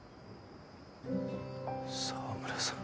澤村さん。